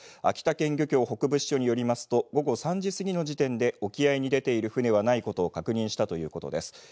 秋田県漁協北部支所によりますと午後３時過ぎの時点で沖合に出ている船はないことを確認したということです。